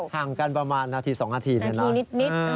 ห่างกันประมาณนาที๒นาทีนานนาทีนิด